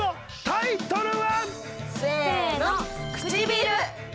タイトル。